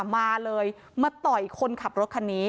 มาเลยมาต่อยคนขับรถคันนี้